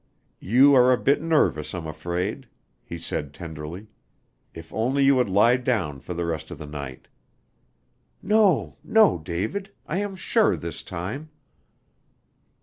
"You are a bit nervous, I'm afraid," he said tenderly. "If only you would lie down for the rest of the night." "No, no, David. I am sure this time."